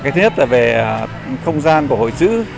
thứ nhất là về không gian của hội chữ